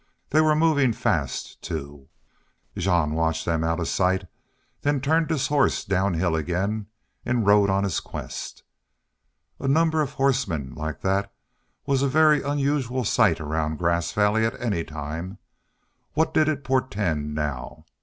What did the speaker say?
They were moving fast, too. Jean watched them out of sight, then turned his horse downhill again, and rode on his quest. A number of horsemen like that was a very unusual sight around Grass Valley at any time. What then did it portend now?